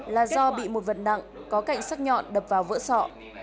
là do bị một vật nặng có cạnh sắc nhọn đập vào vỡ sọ